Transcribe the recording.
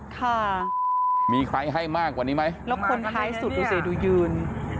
ค่ะมีใครให้มากกว่านี้ไหมแล้วคนท้ายสุดดูสิดูยืน